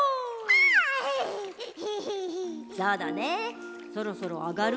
そうだねそろそろあがる？